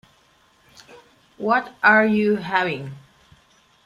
What Are You Having?